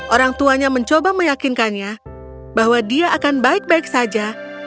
orang tuanya mencoba meyakinkannya bahwa dia akan baik baik saja